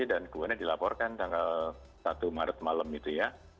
dan kemudiannya dilaporkan tanggal satu maret malam itu ya